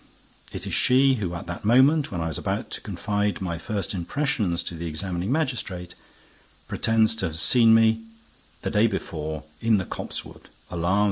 It is she, who at that moment when I was about to confide my first impressions to the examining magistrate, pretends to have seen me, the day before, in the copsewood, alarms M.